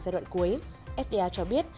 giai đoạn cuối fda cho biết